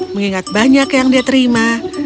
mengingat banyak yang dia terima